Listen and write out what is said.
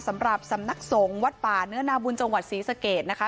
สำหรับสำนักสงฆ์วัดป่าเนื้อนาบุญจังหวัดศรีสะเกดนะคะ